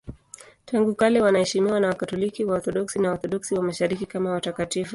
Tangu kale wanaheshimiwa na Wakatoliki, Waorthodoksi na Waorthodoksi wa Mashariki kama watakatifu.